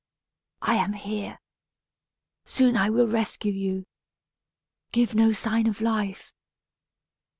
I am here. Soon I will rescue you. Give no sign of life."